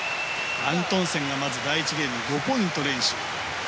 アントンセンが第１ゲーム５ポイント連取。